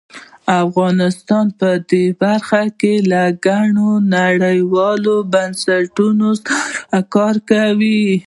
افغانستان په دې برخه کې له ګڼو نړیوالو بنسټونو سره کار کوي.